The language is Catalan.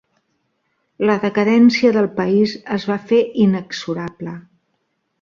La decadència del país es va fer inexorable.